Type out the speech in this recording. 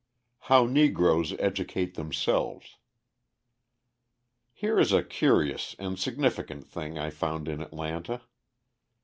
How Negroes Educate Themselves Here is a curious and significant thing I found in Atlanta.